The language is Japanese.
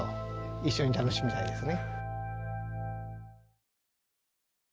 一緒に楽しみたいですね。